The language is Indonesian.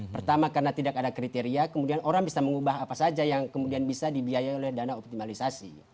pertama karena tidak ada kriteria kemudian orang bisa mengubah apa saja yang kemudian bisa dibiayai oleh dana optimalisasi